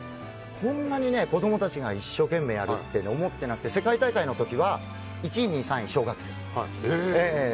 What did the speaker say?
こんなに子供たちが一生懸命やるって思ってなくて、世界大会の時は１位、２位、３位が小学生。